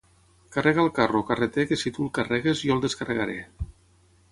Carrega el carro, carreter que si tu el carregues, jo el descarregaré